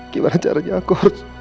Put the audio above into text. gimana caranya aku harus